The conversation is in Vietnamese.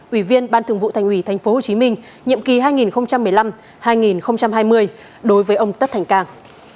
ủy viên ban thường vụ thành ủy tp hcm nhiệm kỳ hai nghìn một mươi năm hai nghìn hai mươi đối với ông tất thành cang